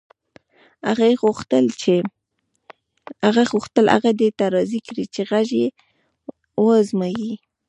هغې غوښتل هغه دې ته راضي کړي چې غږ یې و ازمایي